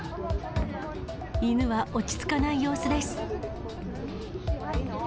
犬は落ち着かない様子です。